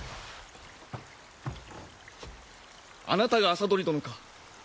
あなたが麻鳥殿か。